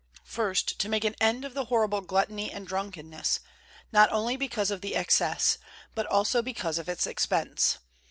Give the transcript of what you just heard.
First, to make an end of the horrible gluttony and drunkenness, not only because of the excess, but also because of its expense.